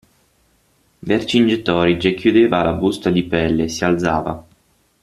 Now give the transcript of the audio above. Vercingetorige chiudeva la busta di pelle, si alzava.